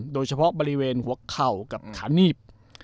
โดยเฉพาะบริเวณหัวเข่ากับขานีบ